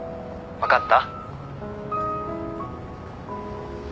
分かった。